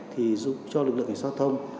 thì giúp cho lực lượng cảnh sát giao thông